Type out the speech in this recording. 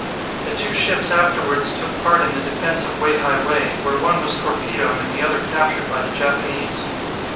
The two ships afterwards took part in the defence of Wei hai wei, where one was torpedoed and the other captured by the Japanese.